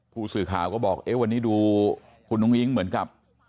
ผู้สื่อข่าวก็บอกเอ๊ะวันนี้ดูคุณอุ้งอิ๊งเหมือนกับ